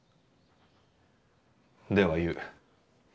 「ではいう。